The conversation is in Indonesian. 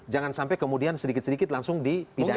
jangan sampai kemudian sedikit sedikit langsung dipidana